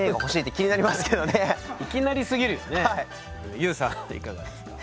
ＹＯＵさんいかがですか？